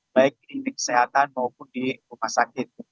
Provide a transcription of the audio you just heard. baik di kesehatan maupun di rumah sakit